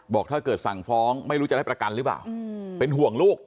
ถ้าเกิดสั่งฟ้องไม่รู้จะได้ประกันหรือเปล่าเป็นห่วงลูก